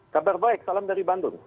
kabar baik salam dari bandung